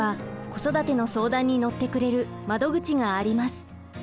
子育ての相談に乗ってくれる窓口があります。